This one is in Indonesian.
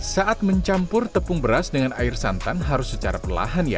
saat mencampur tepung beras dengan air santan harus secara perlahan ya